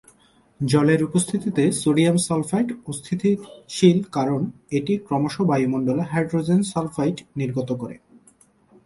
জলের উপস্থিতিতে sodium sulphide অস্থিতিশীল কারণ এটি ক্রমশ বায়ুমণ্ডলে হাইড্রোজেন সালফাইড নির্গত করে।